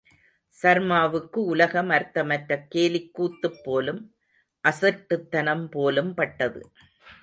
சர்மாவுக்கு உலகம் அர்த்தமற்ற கேலிக் கூத்துப் போலும், அசட்டுத்தனம் போலும் பட்டது.